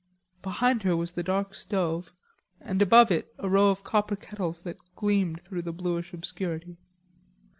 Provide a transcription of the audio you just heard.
Behind her was the dark stove and above it a row of copper kettles that gleamed through the bluish obscurity.